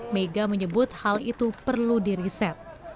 mega menyebut hal itu perlu diriset